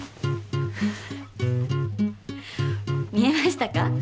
見えましたか？